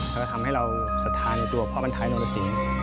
แล้วทำให้เราสัดทานอยู่ตัวพ่อพันธายนรสิงห์